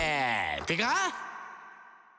「ってか！」